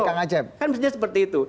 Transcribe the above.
kan bisa seperti itu